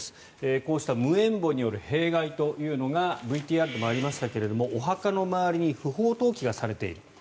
こうした無縁墓による弊害というのがＶＴＲでもありましたがお墓の周りに不法投棄がされている。